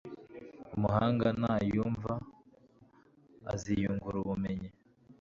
umuhanga nayumva aziyungura ubumenyi